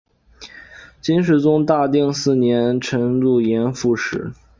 金世宗大定四年辰渌盐副使。